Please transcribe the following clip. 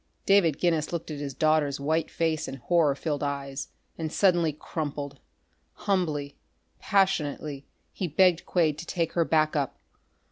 David Guinness looked at his daughter's white face and horror filled eyes and suddenly crumpled. Humbly, passionately, he begged Quade to take her back up.